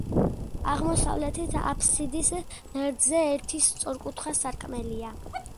აღმოსავლეთით აფსიდის ღერძზე ერთი სწორკუთხა სარკმელია.